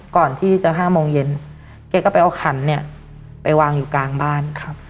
ก่อนที่จะ๕โมงเย็นแกก็ไปเอาขันเนี่ยไปวางอยู่กลางบ้าน